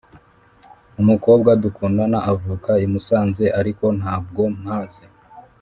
Umukobwa dukundana avuka imusanze ariko ntabwo mpazi